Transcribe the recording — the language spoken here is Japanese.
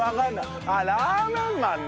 あっラーメンマンね。